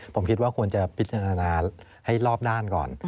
ผมคิดว่าควรจะพิจารณาให้รอบด้านก่อน